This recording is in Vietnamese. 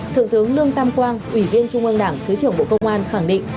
thượng tướng lương tam quang ủy viên trung ương đảng thứ trưởng bộ công an khẳng định